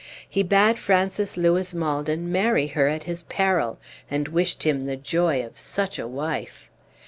He bade Francis Louis Maldon marry her at his peril, and wished him joy of such a wife.